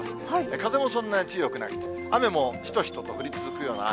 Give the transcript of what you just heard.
風もそんな強くない、雨もしとしとと降り続くような雨。